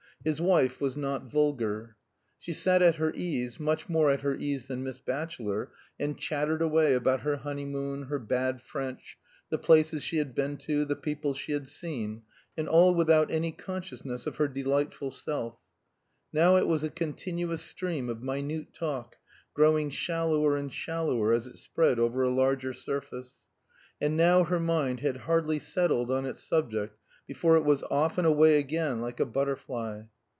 His wife was not vulgar. She sat at her ease (much more at her ease than Miss Batchelor), and chattered away about her honeymoon, her bad French, the places she had been to, the people she had seen, and all without any consciousness of her delightful self. Now it was a continuous stream of minute talk, growing shallower and shallower as it spread over a larger surface; and now her mind had hardly settled on its subject before it was off and away again like a butterfly.